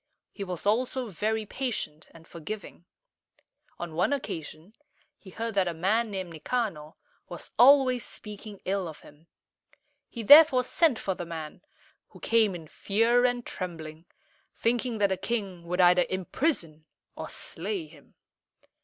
He was also very patient and forgiving. On one occasion he heard that a man named Ni ca´nor was always speaking ill of him. He therefore sent for the man, who came in fear and trembling, thinking that the king would either imprison or slay him.